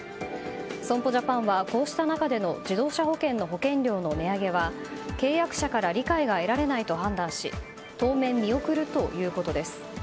損保ジャパンはこうした中での自動車保険料の値上げは契約者から理解が得られないと判断し当面、見送るということです。